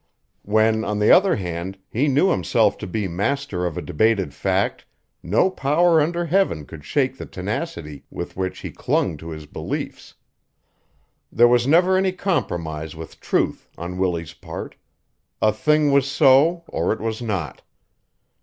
When, on the other hand, he knew himself to be master of a debated fact, no power under heaven could shake the tenacity with which he clung to his beliefs. There was never any compromise with truth on Willie's part. A thing was so or it was not.